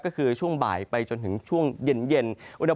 ก็คือช่วงบ่ายไปจนถึงช่วงเย็น